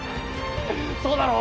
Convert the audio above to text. そうだろ？